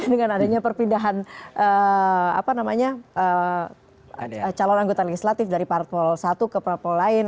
dengan adanya perpindahan apa namanya calon anggota legislatif dari part pol satu ke part pol lain